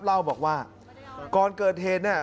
เล่าบอกว่าก่อนเกิดเหตุเนี่ย